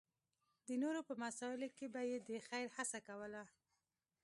د نورو په مسایلو به یې د خېر هڅه کوله.